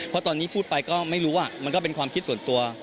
เพราะตอนนี้พูดไปก็ไม่รู้มันก็เป็นความคิดส่วนตัว